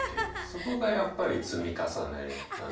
そこがやっぱり積み重ねなんですよね。